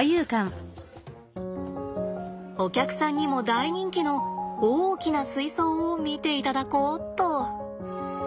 お客さんにも大人気の大きな水槽を見ていただこうっと。